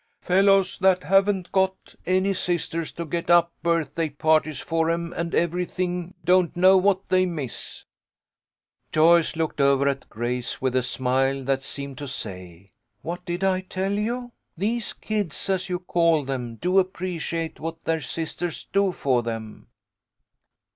" Fellows that haven't got any sisters to get up birthday parties for 'em and every thing don't know what they miss." A FEAST OF SAILS. 1 05 Joyce looked over at Grace with a smile that seemed to say, " What did I tell you ? These kids, as you call them, do appreciate what their sisters do for them."